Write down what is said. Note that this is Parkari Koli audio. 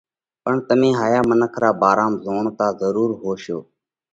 پڻ تمي ھايا منک را ڀارام زوڻتا ضرور ھوشو،